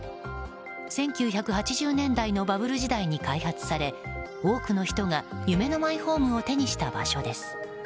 １９８０年代のバブル時代に開発され多くの人が夢のマイホームを手にした場所です。